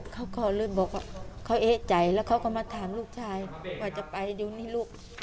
เขาก็เลยบอกว่าเขาเอ๊ะใจแล้วเขาก็มาถามลูกชายว่าจะไปดูนี่ลูก